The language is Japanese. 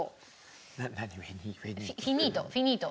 フィニートフィニート。